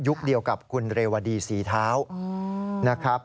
เดียวกับคุณเรวดีศรีเท้านะครับ